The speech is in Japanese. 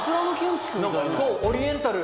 オリエンタル。